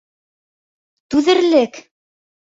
Түҙерлек!